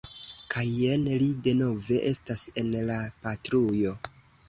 Kaj jen li denove estas en la patrujo.